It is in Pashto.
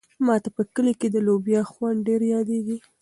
ما ته په کلي کې د لوبیا خوند ډېر یادېږي.